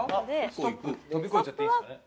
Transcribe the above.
ストップ飛び越えちゃっていいんですよね。